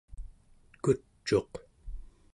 kuc'uq